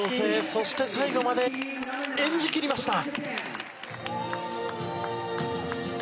そして最後まで演じ切りました。